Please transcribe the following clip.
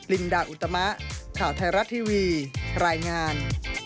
ลินดาอุตมะข่าวไทยรัฐทีวีรายงาน